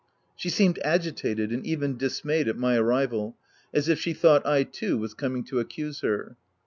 She seemed agitated, and even dismayed at k 3 202 THE TENANT my arrival, as if she thought, I too was coming to accuse her.